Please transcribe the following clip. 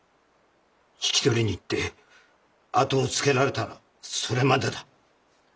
引き取りに行って後をつけられたらそれまでだ。